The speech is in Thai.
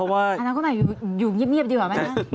อนาคตใหม่อยู่เงียบดีกว่าไหมคะ